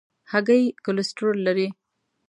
هګۍ کولیسټرول لري.